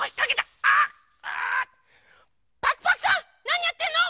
なにやってんの？